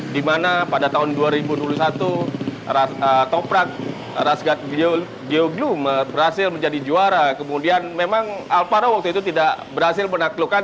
dimana pada tahun dua ribu dua puluh satu toprak rasgat geoglu berhasil menjadi juara kemudian memang alpara waktu itu tidak berhasil menaklukkan